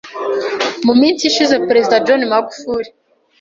Mu minshi ishize Perezida John Magufuli